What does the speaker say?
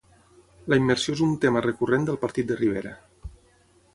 La immersió és un tema recurrent del partit de Rivera